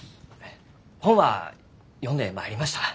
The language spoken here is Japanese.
本は読んでまいりました。